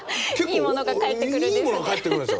いいものが返ってくるんですね。